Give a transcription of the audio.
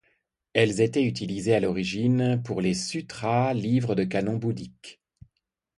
Elles étaient utilisées à l'origine pour les sutras, livres des canons bouddhiques.